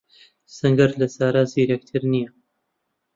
سەنگەر لە سارا زیرەکتر نییە.